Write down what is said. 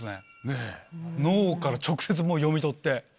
脳から直接もう読み取って。